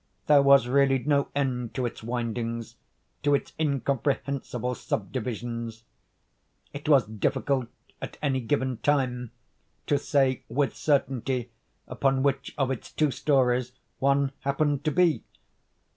There was really no end to its windings—to its incomprehensible subdivisions. It was difficult, at any given time, to say with certainty upon which of its two stories one happened to be.